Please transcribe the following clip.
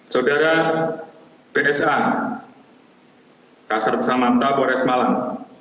saudara bsa kasar tessa manta pores malang